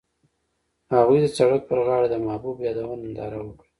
هغوی د سړک پر غاړه د محبوب یادونه ننداره وکړه.